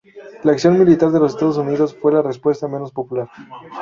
La acción militar de los Estados Unidos fue la respuesta menos popular.